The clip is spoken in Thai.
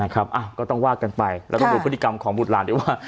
นะครับอ่ะก็ต้องวาดกันไปแล้วต้องดูพฤติกรรมของบุตรหลานเดี๋ยวว่า